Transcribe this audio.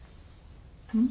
うん？